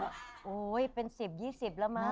โอ้โหเป็น๑๐๒๐แล้วมั้